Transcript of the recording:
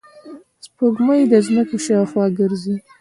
سپوږمۍ د ځمکې شاوخوا ګرځي